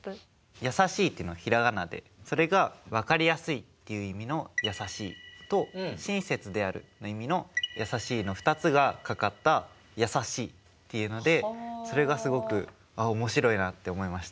やさしいっていうのは平仮名でそれが分かりやすいっていう意味の「易しい」と親切であるの意味の「優しい」の２つがかかった「やさしい」っていうのでそれがすごくあっ面白いなって思いました。